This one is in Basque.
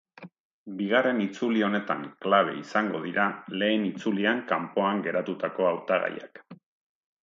Bigarren itzuli honetan klabe izango dira lehen itzulian kanpoan geratutako hautagaiak.